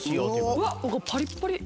うわパリッパリ。